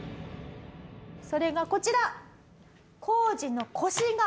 それがこちら。